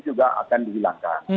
juga akan dihilangkan